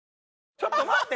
ちょっと待って！